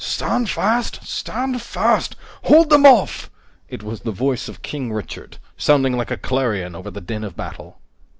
"Stand fast! Stand fast! Hold them off!" It was the voice of King Richard, sounding like a clarion over the din of battle.